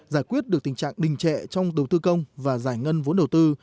giải quyết được tình trạng đình trệ trong đầu tư công và giải ngân vốn đầu tư